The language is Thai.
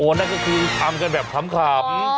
นั่นก็คือทำกันแบบขำ